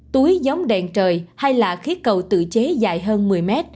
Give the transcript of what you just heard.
tuối giống đèn trời hay là khí cầu tự chế dài hơn một mươi m